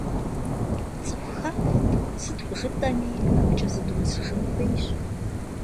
ЦӀыху хахуэт, сыт хужытӀэми, абыкӀэ зыдумысыжын хуейщ.